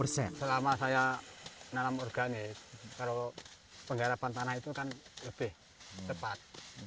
selama saya nanam organik kalau penggarapan tanah itu kan lebih cepat